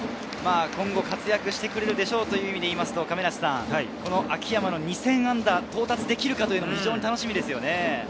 今後、活躍してくれるでしょうという意味でいいますと、秋山の２０００安打到達できるかどうかも楽しみですよね。